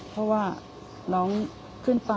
เพราะว่าน้องขึ้นไป